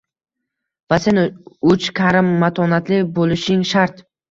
Va sen uch karra matonatli boʻlishing shart